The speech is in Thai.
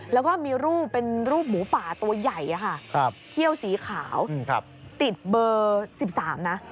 แล้วก็มีรูปเป็นรูปหมูป่าตัวใหญ่ค่ะเขี้ยวสีขาวติดเบอร์๑๓นะ